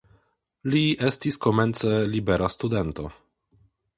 Li estis komence libera studento.